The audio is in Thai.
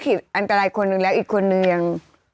ผิดอันตรายคนหนึ่งแล้วอีกคนนึง